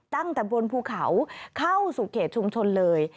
ตั้งแต่บนภูเขาเข้าสู่เขตชุมชนเลย